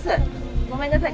ごめんなさい。